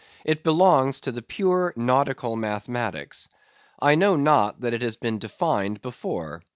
It belongs to the pure nautical mathematics. I know not that it has been defined before.